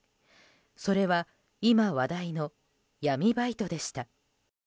それは、今話題の闇バイトでした。